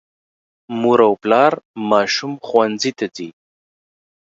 مور او پلار ماشوم ښوونځي ته ځي.